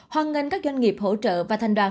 hoàn ngân các doanh nghiệp hỗ trợ và thành đoàn